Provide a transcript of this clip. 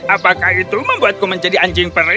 apakah itu membuatku menjadi anjing perih